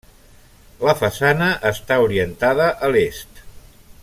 La façana està orientada a l'est.